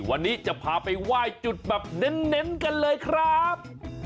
วันนี้จะพาไปไหว้จุดแบบเน้นกันเลยครับ